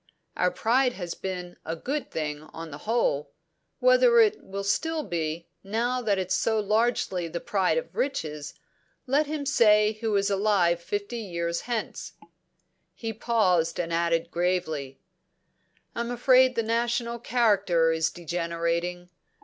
"Our pride has been a good thing, on the whole. Whether it will still be, now that it's so largely the pride of riches, let him say who is alive fifty years hence." He paused and added gravely: "I'm afraid the national character is degenerating.